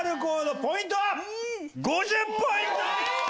ポイントは５０ポイント！